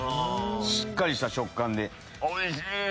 しっかりした食感でおいしい！